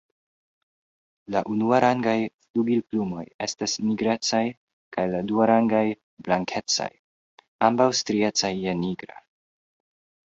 La unuarangaj flugilplumoj estas nigrecaj kaj la duarangaj blankecaj, ambaŭ striecaj je nigra.